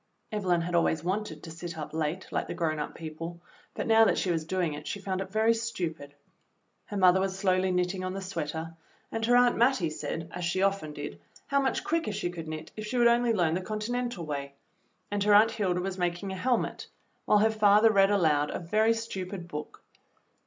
Evelyn had always wanted to sit up late like the grown up people, but now that she was doing it she found it very stupid. Her mother was slowly knitting on the sweater, and her Aunt Mattie said, as she often did, how much quicker she could knit if she would only learn the Continental way, and her Aunt Hilda w^as making a helmet, while her father read aloud a very stupid book.